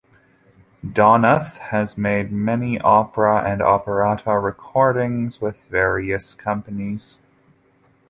Donath has made many opera and operetta recordings with various companies.